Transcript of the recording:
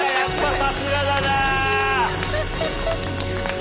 さすがだな。